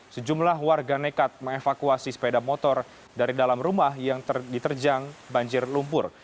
sejumlah warga nekat mengevakuasi sepeda motor dari dalam rumah yang diterjang banjir lumpur